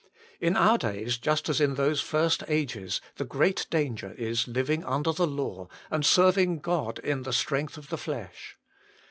In our days, just as in those first ages, the great danger is living under the law, and serving God in the strength of the flesh.